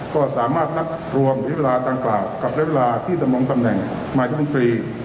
ก็สามารถรวมเรียบร้อยเวลาต่างกล่าวกับเรียบร้อยเวลาที่จะลงตำแหน่งนายกรมนตรี